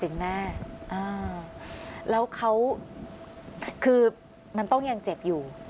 แล้วเขาคือมันต้องยังเจ็บอยู่